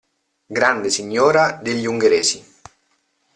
Grande Signora degli Ungheresi.